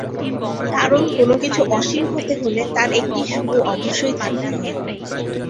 কারন কোনো কিছু অসীম হতে হলে তার একটি শুরু অবশ্যই থাকতে হবে।